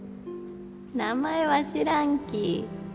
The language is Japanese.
名前は知らんき。